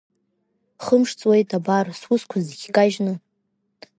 Хымш ҵуеит, абар, сусқәа зегь кажьны!